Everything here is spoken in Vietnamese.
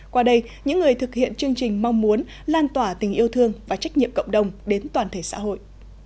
qua đây những người thực hiện chương trình mong muốn lan tỏa tình yêu thương và trách nhiệm cộng đồng đến toàn thể xã hội